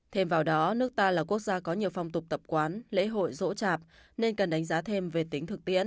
thêm vào đó nước ta là quốc gia có nhiều phong tục tập quán lễ hội rỗ chạp nên cần đánh giá thêm về tính thực tiễn